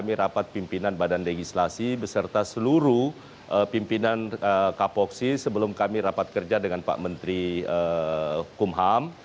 kami rapat pimpinan badan legislasi beserta seluruh pimpinan kapoksi sebelum kami rapat kerja dengan pak menteri kumham